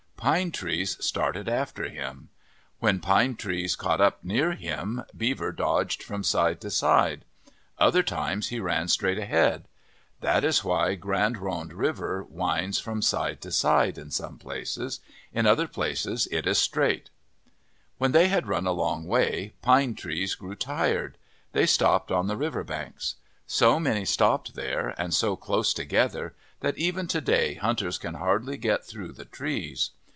Pine Trees started after him. When Pine Trees caught up near him, Beaver dodged from side to side. Other times he ran straight ahead. That is why Grande Ronde River 42 OF THE PACIFIC NORTHWEST winds from side to side in some places. In other places it is straight. When they had run a long way, Pine Trees grew tired. They stopped on the river banks. So many stopped there, and so close together, that even to day hunters can hardly get through the trees.